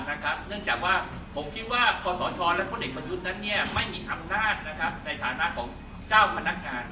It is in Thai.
เนื่องจากว่าผมคิดว่าคศและพลเอกประยุทธ์นั้นไม่มีอำนาจในฐานะของเจ้าพนักงาน